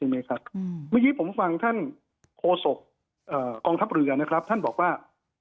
เมื่อกี้ผมฟังท่านโฆษกองค์ทัพเรือท่านบอกว่า